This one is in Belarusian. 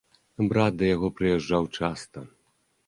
Брат да яго прыязджаў часта.